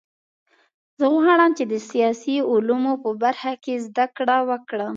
زه غواړم چې د سیاسي علومو په برخه کې زده کړه وکړم